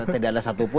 tidak ada satu pun